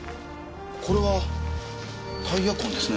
これはタイヤ痕ですね。